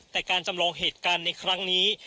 แต่การจำลองเหตุการณ์ในครั้งนี้